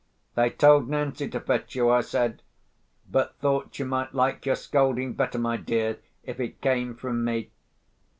"They told Nancy to fetch you," I said. "But I thought you might like your scolding better, my dear, if it came from me."